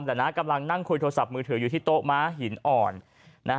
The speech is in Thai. แหละนะกำลังนั่งคุยโทรศัพท์มือถืออยู่ที่โต๊ะม้าหินอ่อนนะฮะ